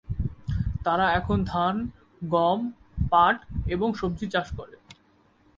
তারা এখন ধান, গম, পাট এবং সবজি চাষ করে।